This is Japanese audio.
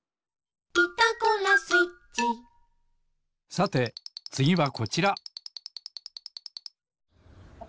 さてつぎはこちら！